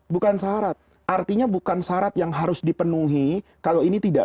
bukan syarat artinya bukan syarat yang harus dipenuhi kalau ini tidak